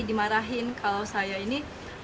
dimarahin kalau saya ini